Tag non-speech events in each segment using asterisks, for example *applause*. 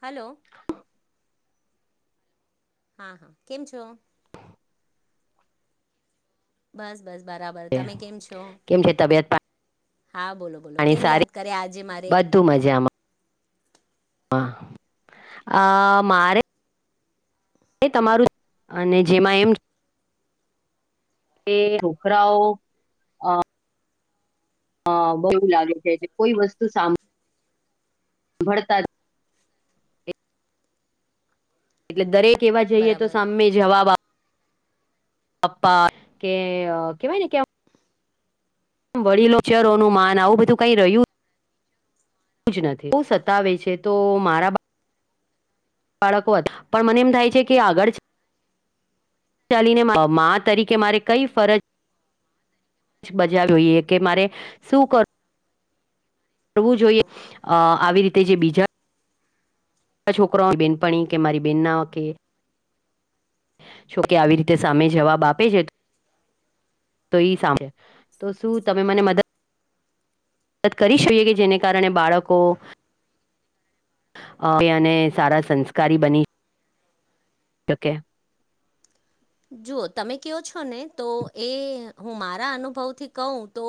Hello. હા હા કેમ છો. બસ બસ બરાબર તમે કેમ છો. કેમ છે તબિયત હા બોલો બોલો પાણી કેમ યાદ સારી કરયા આજે મારે. હ આ મારે એ તમારું *inaudible* અને જેમાં એમ *unintelligible* કે ઓખરાઓ અ હ બહવુ લાગે છે જે કોઈ વસ્તુ સાભ ભળતા જ એટલે દરેક એવા જઈએ તો બરાબર સામે જવાબ આપ પપ્પા કે કેવાય ને કે મ વડીલોચરોનું માન આવું બધું કંઈ રહ્યું જ નથી બહ સતાવે છે તો મારા બાળકોત પણ મને એમ થાય છે કે આગળ છે ચાલીને મા તરીકે મારે કઈ ફરજ જ બજાવ્યુંએ કે મારે શું કરું કરવું જોઈએ આવી અ રીતે જે બીજા છોકરામાં બેનપણી કે મારી બેન ના કે જોકે આવી રીતે સામે જવાબ આપે છે તો તો એ સાંભળે તો શું તમે મને મદદ મદદ કરી શકીએ કે જેને કારણે બાળકો અહ અવે અને સારા સંસ્કારી બની શકે. જુઓ તમે કયો છો ને તો એ હું મારા અનુભવથી કહું તો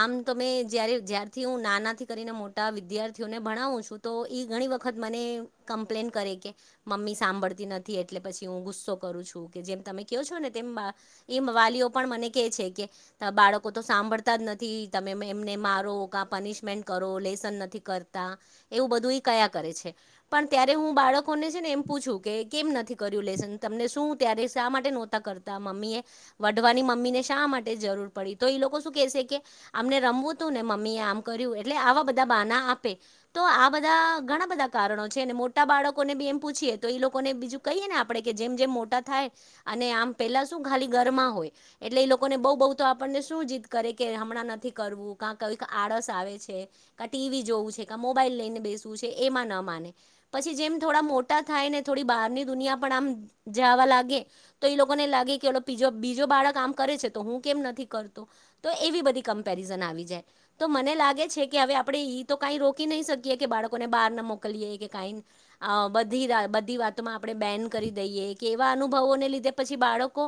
આમ તમે જ્યારે જ્યારથી હું નાનાથી કરીને મોટા વિદ્યાર્થીઓને ભણાવું છું તો ઇ ઘણી વખત મને કમ્પ્લેન કરે કે મમ્મી સાંભળતી નથી એટલે પછી હું ગુસ્સો કરું છું કે જેમ તમે કયો છો ને તેમ આહ એમ વાલીઓ પણ મને કે છે કે બાળકો તો સાંભળતા જ નથી તમે એમને મારો કા પનિશમેન્ટ કરો લેસન નથી કરતા એવું બધું એ કયા કરે છે. પણ ત્યારે હું બાળકોને છે ને એમ પૂછું કે કેમ નથી કર્યું લેસન તમને શું ત્યારે શા માટે નહોતા કરતા મમ્મી એ વઢવાની મમ્મી ને શા માટે જરૂર પડી તો એ લોકો શું કેશે કે અમને રમવું તું ને મમ્મી એ આમ કર્યું એટલે આવા બધા બાના આપે તો આ બધા ઘણા બ ધા કારણો છે ને મોટા બાળકોને બી એમ પૂછીએ તો એ લોકોને બીજું કહીએ ને આપડે કે જેમ જેમ મોટા થાય અને આમ પેલા શું ખાલી ઘરમાં હોય એટલે એ લોકોને બઉ બઉ તો આપણને શું જીદ કરે કે હમણા નથી કરવું કા કઈક આળસ આવે છે કા ટીવી જોવું છે ક મોબાઈલ લઈને બેસવું છે એમાં ન માને પછી જેમ થોડા મોટા થાય ને થોડી બહારની દુનિયા પણ આમ જાવા લાગે તો એ લોકોને લાગે કે ઓલો પીજો બીજો બાળક આમ કરે છે તો હું કેમ નથી કરતો તો એવી બધી કમ્પેરિઝન આવી જાય. તો મને લાગે છે કે હવે આપડે ઈ તો ક રોકી નહી શકીએ કે બાળકોને બાર ન મોકલીએ કે કાઈ અહ બધી વાતોમાં આપણે બેન કરી દઈએ કેવાનું ભઓ ના લીધે પછી બાળકો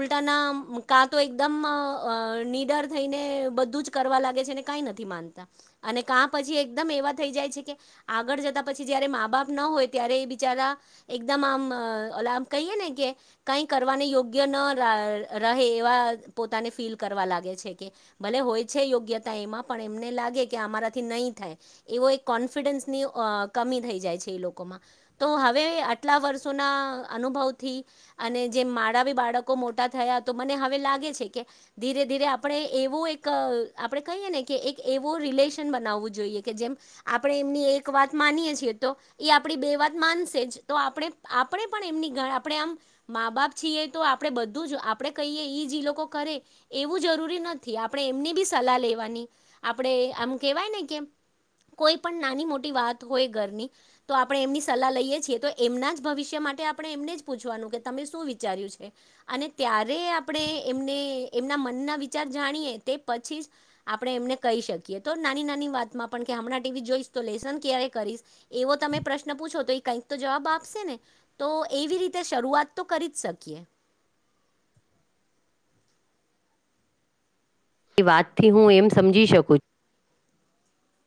ઉલટાના કા તો એકદમ અહ અહ નિડર થઈને ને બધું જ કરવા લાગે છે ક નથી માનતા અને કા પછી એકદમ એવા થઈ જાય છે કે આ આગળ જતા પછી જયારે મા બાપ ન હોય ત્યારે બિચારા એકદમ આમ અહ અલા આમ કહીએ ને કે કઈ કરવાને યોગ્ય ન રા રહે એવા પોતાને ફીલ કરવા લાગે છે કે ભલે હોય છે યોગ્યતા એમાં પણ એમને લાગે કે આમારાથી નહીં થાય એવો એક કોન્ફિડન્સની અહ કમી થઈ જાય છે એ લોકોમાં તો હવે આટલા વર્ષોના અનુભવથી અને જેમ મારા બી બાળકો મોટા થયા તો મને હવે લાગે છે કે ધીરે ધીરે આપણે એવું એક આપણે કહીએ ને કે એક એવો રિલેશન બનાવવું જોઈએ કે જેમ આપણે એમની એક વાત માનીએ છીએ તો એ આપડી બે વાત માનશે જ તો આપણે આપણે પણ એમની ગ આપણે આમ મા બાપ છીએ તો આપડણે બધું જ આપડણે કહીએ ઈ જ ઈ લોકો કરે એવું જરૂરી નથી આપણે એમની બી સલાહ લેવાની આપણે આમ કેવાય ને કેમ કોઈ પણ નાની મોટી વાત હોય ઘરની તો આપણે એમની સલાહ લઈએ છીએ તો એમના જ ભવિષ્યમાં માટે આપણે એમને જ પૂછવાનું કે તમે શું વિચાર્યું છે અને ત્યારે આપણે એમને એમના મનના વિચાર જાણીએ તે પછી જ આપણે એમને કહી શકીએ તો નાની નાની વાતમાં પણ કે હમણાં ટીવી જોઈશ તો લેસન ક્યારેય એ કરીશ એવો તમે પ્રશ્ન પૂછો કઇક તો જવાબ આપશે ને. તો એવી રીતે શરૂવાત તો કરી જ શકીએ. એ વાતથી હું એમ સમજી શકું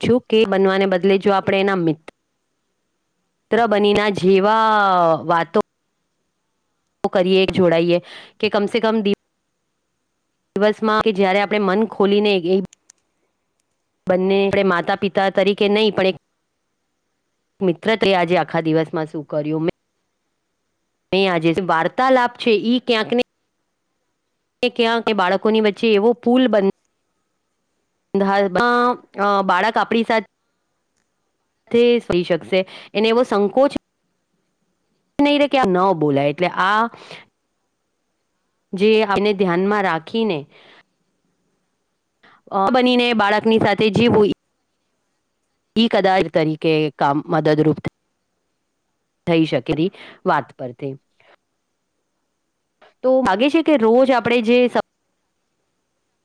જો કે બનવાને બદલે જો આપણે એના મિ ત્ર બનીના જેવા વાતો તો કરીએ એક જોડાઈએ કે કમ સે કમ દી વસમાં કે જ્યારે આપણે મન ખોલીને એ બંને આપણે માતાપિતા તરીકે નહીં પણ એક મિત્ર તે આજે આખા દિવસમાં શું કર્યું મેં આજે વાર્તાલાપ છે ઈ ક્યાંકને મેં ક્યાં કે બાળકોની વચ્ચે એવો પુલ બન હાલ મા અહ બાળક આપણી સાથ થે ઈ શકશે એને એવો સંંકોચ એ નહી રે કે આ ન બોલાય એટલે આ જે *unintelligible* ને ધ્યાનમાં રાખીને અહ બનીને બાળકની સાથે જીવું ઈ કદાચ તરીકે કામ મદદરૂપ થ થઈ શકેરી વાત પરથી તો લાગે છે કે રોજ આપણે જે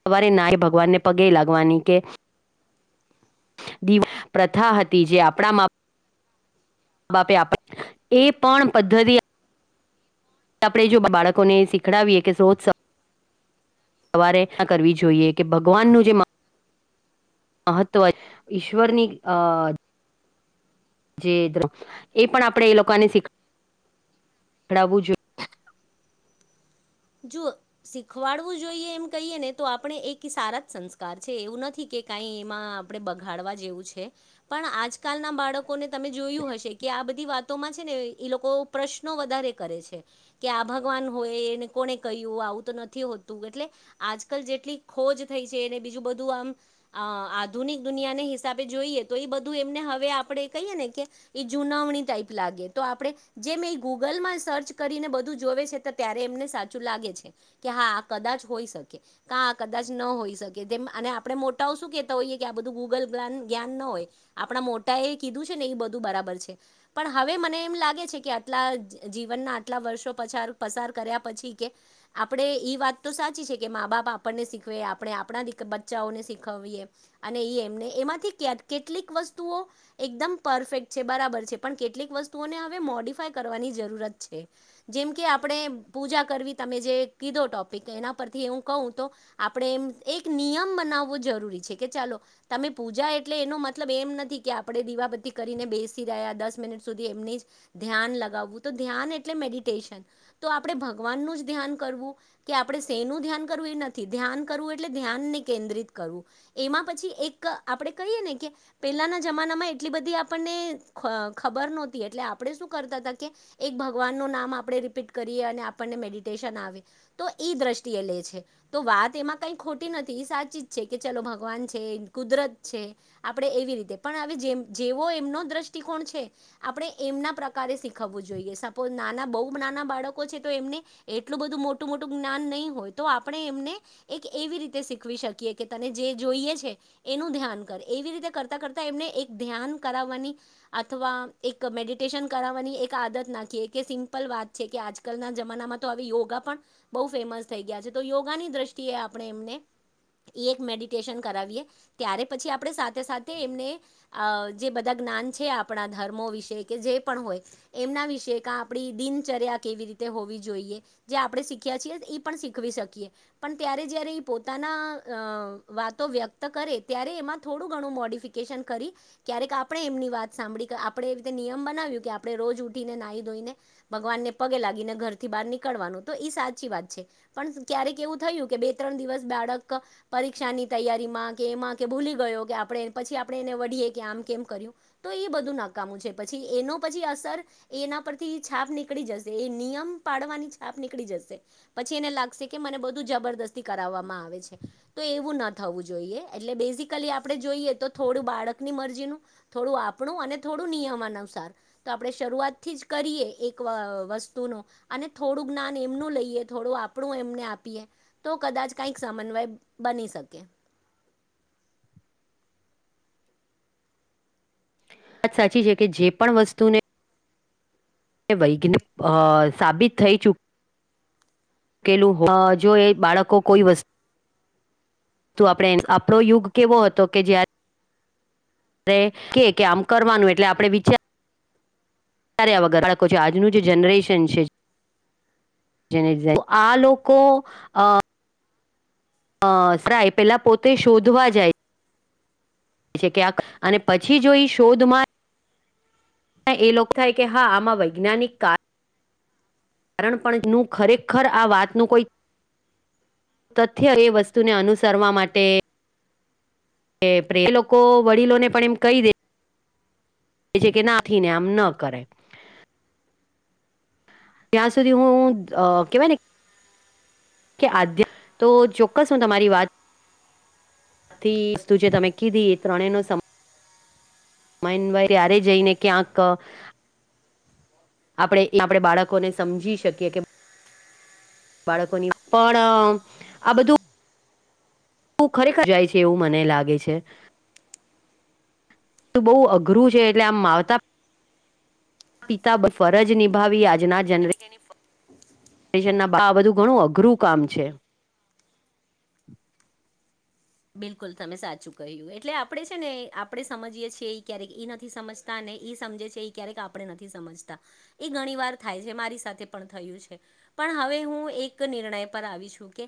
સવારે નાય ભગવાનને પગે લાગવાની કે દીવા પ્રથા હતી જે આપણામાં મા બાપે આપે એ પણ પદ્ધતિ આપણે જો બાળકોને શીખડાવીએ કે સ સવારે રકસા કરવી જોઈએ કે ભગવાનનું જે મ મહત્વ ઈશ્વરની અ જે એ પણ આપણે એ લોકોને શીખ સીખડાઉ જોઈએ જો શીખવાડવું જોઈએ એમ કહીએ ને તો આપણે એક સારા જ સંસ્કાર છે એવું નથી કે કઈ એમાં આપણે બગાડવા જેવું છે પણ આજકાલના બાળકોને તમે જોયું હશે કે આ બધી વાતોમાં છે ને એ લોકો પ્રશ્નો વધારે કરે છે કે આ ભગવાન હોય એ કોને કહ્યું આવું તો નથી હોતું એટલે આજકાલ જેટલી ખોજ થઈ છે એને બીજું બધું આમ અ આધુનિક દુનિયાને હિસાબે જોઈએ તો એ બધું એમને હવે આપણે કહીએ ને કે જૂના જુગવણી ટાઈપલાગે તો આપણે જે મે ગૂગલમાં સર્ચ કરીને બધું જોવે છે તો ત્યારે એમનેચ તો લાગે છે કે હા કદાચ હોઈ શકે કદાચ ન હોઈ શકે આપણે મોટા શું કેતા હોઈએ કે આ બધું ગૂગલ જ્ઞાન ન હોય આપણા મોટા એ કીધું છે ને એ બધું બરાબર છે પણ હવે મને એમ લાગે છે કે આટલા જીવનના આટલા વર્ષો પસાર પસાર કર્યા પછી આપણે ઈ વાત તો સાચી છે કે મા બાપ આપણને શીખવે આપણે આપણા દી બચાઓને શીખવા અને એમ એમાંથી કેટલીક વસ્તુઓ એકદમ પરફેક્ટ છે બરાબર છે પણ કેટલીક વસ્તુઓને હવે મોડીફાય કરવાની જરૂરત છે જેમ કે આપણે પૂજા કરવી તમે જે કીધો ટોપિક એના પરથી એવું કહું તો આપડણે એમ એક નિયમ બનાવવો જરૂરી કે ચાલો તમે પૂજા એટલે એનો મતલબ એમ નથી કે આપણે દીવાબત્તી કરીને બેસી રહ્યા દસ મિનિટ સુધી એમને ધ્યાન લગાવવું તો ધ્યાન એટલે મેડીટેશન તો આપડે ભગવાનનું જ ધ્યાન કરવું કે આપણે સેનું ધ્યાન કરવું એ નથી ધ્યાન કરવું એટલે ધ્યાનને કેન્દ્રિત કરવું એમાં પછી એક આપણે કહીએ ને કે પહેલાના જમાનામાં એટલી બધી આપણને એટલે આપણે શું કરતા એક ભગવાન નું નામ આપણે રિપીટ કરીએ અને આપને મેડી આવે તો દ્રષ્ટિએ લે છે તો વાત એમાં કઈ ખોટી નથી સાચી છે કે ચલો ભગવાન છે કુદરત છે આપડે એવી રીતે પણ હ જે જેવો એમનો દ્રષ્ટિકોણ છે. આપણે એમના પ્રકારે શીખવું જોઈએ સપોઝ નાના બહુ નાના બાળકો છે તો એમને એટલું બધું મોટું મોટું જ્ઞાન નહીં હોય તો આપણે એમને એક એવી રીતે શીખવી શકીએ કે તને જે જોઈએ છે એનું ધ્યાન કર એવી રીતે કરતા કરતા એમને એક ધ્યાન કરાવવાની અથવા એક મેડિટેશન કરાવાની એક આદત નાખી કે સિમ્પલ વાત છે કે આજકાલના જમાનામાં યોગા પણ બહુ ફેમસ થઈ ગયા છે તો યોગાની દ્રષ્ટિએ આપણે એમને એ એક મેડિટેશન કરાવીએ ત્યારે પછી આપણે સાથે સાથે એમને જે બધા જ્ઞાન છે આપણા ધર્મો વિશે કે જે પણ હોય એમના વિશે કે આપણી દિનચર્યા કેવી રીતે? તે હોવી જોઈએ. જે આપણે શીખ્યા છીએ એ પણ શીખવી શકીએ પણ ત્યારે જ્યારે એ પોતાના વ્યક્ત કરે ત્યારે એમાં થોડું ઘણું મોડિફિકેશન કરી ક્યારેક આપણે એમની વાત સાંભળી આપણે એવી રીતે નિયમ બનાવ્યું કે આપડણે રોજ ઉઠીને નાહી ધોઈને ભગવાનને પગે લાગીને ઘરથી બહાર ની કળવાનું તો એ સાચી વાત છે પણ ક્યારેક એવું થયું કે બે ત્રણ દિવસ બાળક પરીક્ષા ની તૈયારી માં કે એમાં કે ભૂલી? ગયો કે આપણે પછી આપડણે એને વડિયે કે આમ કેમ કર્યું તો એ બધું નકામું છે પછી એનો પછી એના પરથી છાપ નીકળી જશે એ નિયમ પાડવાની સાપ નીકળી જશે પછી એને લાગશે કે મને બધું જબરદસ્તી કરાવવામાં આવે છે તો એવું ના થવું જોઈએ એટલે બેસિકલી આપણે જોઈએ તો થોડું બાળકની મરજીનું થોડું આપણું અને થોડું નિયમ અનુસાર તો આપણે શરૂઆતથી જ કરીએ એક વસ્તુનો અને થોડું જ્ઞાન એમનું લઈએ થોડું આપણું એમને આપીએ તો કદાચ કાંઈક સમન્વય બની શકે. ત્યા *unintelligible* *unintelligible* વાત સાચી છે કે જે પણ વસ્તુને તે વૈજ્ઞિક સાબિત થઈ ચૂક ઉકેલું હ જો એ બાળકો કોઈ વસ્તુ તો આપણે આપણો યુગ કેવો હતો કે જ્યારે અરે કે કે આમ કરવાનું એટલે આપણે વિચાર ચાર્યા વગર બાળકો છે, આજનું જે જનરેશન છે. જેને આ લોકો અ અશ્રાય પેલા પોતે શોધવા જાય. છે ક્યાંક અને પછી જોઈ શોધમાં એ લોકો થાય કે હા આમાં વૈજ્ઞાનિક કાર રણ પણ નું ખરેખર આ વાતનું કોઈ તથ્ય એ વસ્તુને અનુસરવા માટે એ એ લોકો વડીલો ને પણ એમ કહી દે એ છે કે નાથીને આમ ન કરાય. ત્યાં સુધી હું કેવાય ને કે આદ્ય તો ચોક્કસ હું તમારી વાત આથી વસ્તુ જે તમે કીધી એ ત્રણેયનો સમ ય માન ત્યારે જઈને ક્યાંક આપણે એ આપણે બાળકોને સમજી શકીએ કે બાળકોની પણ આ બધું હું ખરેખર જાય છે, એવું મને લાગે છે. બહુ અઘરું છે, એટલે આમ માતા પિતાફરજ નિભાવી આ અને કેની ફ શ ના આ બધું ઘણું અઘરું કામ છે. બિલકુલ તમે સાચું કહ્યું એટલે આપણે છે ને આપણે સમજીએ છીએ એ ક્યારેક નથી સમજતા ને? એ સમજે છે એ ક્યારેક આપણે નથી સમજતા એ ઘણી વાર થાય છે મારી સાથે પણ થયું છે. પણ હવે હું એક નિર્ણય પર આવી છું, કે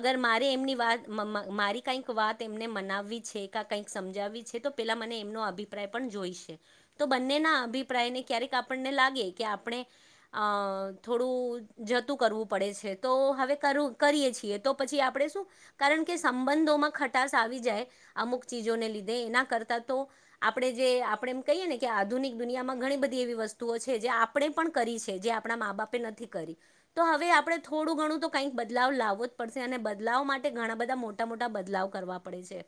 અગર મારે એમની વાત મ મ મારી કઈક વાત એમને મનાવવી છે ક કઈક સમજાવવી છે તો પેલા મને એમનો અભિપ્રાય પણ જોઈશે. તો બંનેના અભિપ્રાયને ક્યારેક આપણને લાગે કે આપણે અ થોડું જતું કરવું પડે છે, તો હવે કરું કરીએ છીએ તો પછી આપણે શું કારણ કે સં બંધોમાં ખટાસ આવી જાય અમુક ચીજોને લીધે એના કરતાં તો આપણે જે આપણે કહીએ ને કે આધુનિક દુનિયામાં ઘણી બધી એવી વસ્તુઓ છે જે આપણે પણ કરી છે, જે આપણા મા બાપે નથી કરી તો હવે આપણે થોડું ઘણું તો કઈક બદલાવ લાવવો જ પડશે અને બદલાવ માટે ઘણા બધા મોટા મોટા મોટા બદલાવ કરવા પડે છે,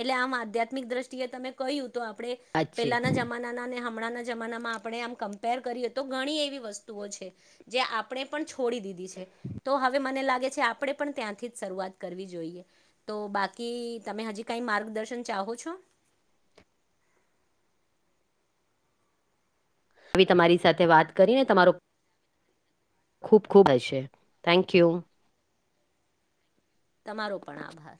એટલે આમ આધ્યાત્મિક દ્રષ્ટિએ તમે કયું તો આપણે સાચી પેલાના જમાનાના ને હમ ણાં જમાનામાં આપણે આમ કમ્પેર કરીએ તો ઘણી એવી વસ્તુઓ છે જે આપણે પણ છોડી દીધી છે, તો હવે મને લાગે છે, આપણે પણ ત્યાંથી જ શરૂઆત કરવી જોઈએ તો બાકી તમે હજી કઈ માર્ગદર્શન ચાહો છો? *inaudible* આવી તમારી સાથે વાત કરીને તમારો ખુબ ખુબ હ છે, થેન્ક યુ. તમારો પણ આભાર.